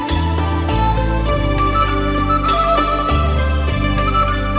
โชว์สี่ภาคจากอัลคาซ่าครับ